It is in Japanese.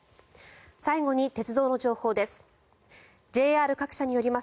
最後に鉄道の情報です。